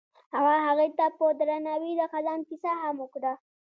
هغه هغې ته په درناوي د خزان کیسه هم وکړه.